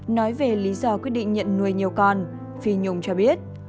nói về lý do quyết định nhận nuôi nhiều con phi nhung cho biết